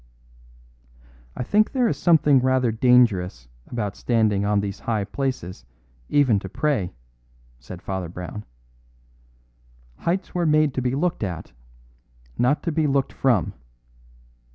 "I think there is something rather dangerous about standing on these high places even to pray," said Father Brown. "Heights were made to be looked at, not to be looked from."